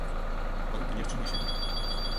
Podo poñerche un exemplo.